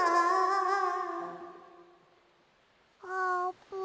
あーぷん！